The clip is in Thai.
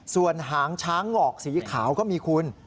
ส่วนหางช้างงอกสีขาวก็มีคุณ